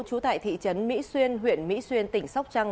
trú tại thị trấn mỹ xuyên huyện mỹ xuyên tỉnh sóc trăng